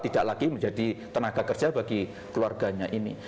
tidak lagi menjadi tenaga kerja bagi keluarganya ini